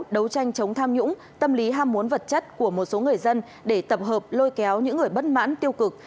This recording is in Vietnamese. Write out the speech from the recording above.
đấu tranh chống tham nhũng tâm lý ham muốn vật chất của một số người dân để tập hợp lôi kéo những người bất mãn tiêu cực